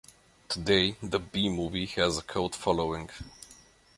Today the B movie has a cult following.